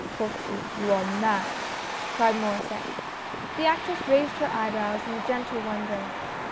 "Clotilde, you are mad! " cried Maurdsset. The actress raised her eyebrows in gentle wonder.